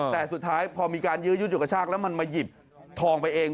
แต่สุดท้ายพอมีการยื้อยุดจุดกระชากแล้วมันมาหยิบทองไปเอง